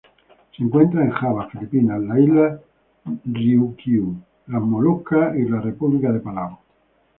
Se encuentra en Java, Filipinas, las islas Ryukyu, las Molucas y República de Palau.